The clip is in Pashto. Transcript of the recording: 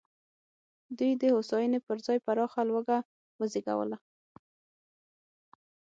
دوی د هوساینې پر ځای پراخه لوږه وزېږوله.